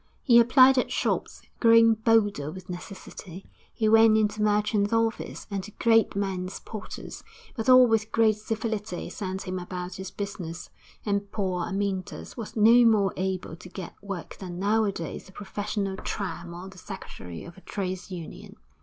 He applied at shops. Growing bolder with necessity, he went into merchants' offices, and to great men's porters, but all with great civility sent him about his business, and poor Amyntas was no more able to get work than nowadays a professional tramp or the secretary of a trade's union.